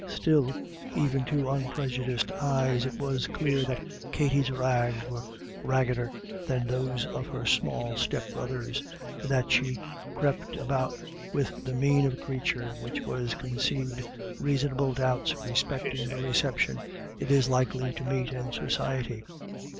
Still, even to unprejudiced eyes it was clear that Katty's rags were raggeder than those of her small stepbrothers, and that she crept about with the mien of a creature which has con ceived reasonable doubts respecting the reception it is likely to meet in society.